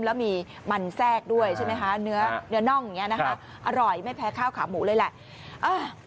แล้วมีมันแทรกด้วยใช่ไหมคะเนื้อน่องอย่างนี้นะคะอร่อยไม่แพ้ข้าวขาหมูเลยแหละ